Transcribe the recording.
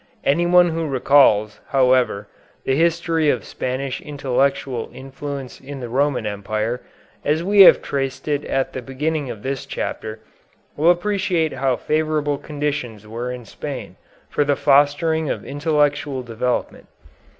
Anyone who recalls, however, the history of Spanish intellectual influence in the Roman Empire, as we have traced it at the beginning of this chapter, will appreciate how favorable conditions were in Spain for the fostering of intellectual development.